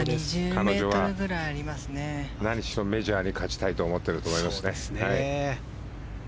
彼女は何しろメジャーに勝ちたいと思ってると思いますね。